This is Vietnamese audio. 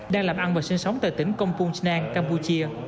đang làm ăn và sinh sống tại tỉnh kompunchnang campuchia